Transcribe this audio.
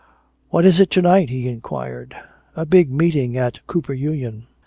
"What is it to night?" he inquired. "A big meeting at Cooper Union."